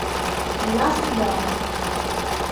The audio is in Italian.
The Last Don